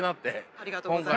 ありがとうございます。